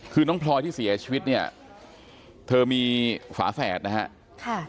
คือน้องพลอยที่เสียชีวิตเนี่ยเธอมีฝาแฝดนะฮะ